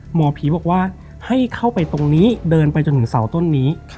หมอผีบอกว่าให้เข้าไปตรงนี้เดินไปจนถึงเสาต้นนี้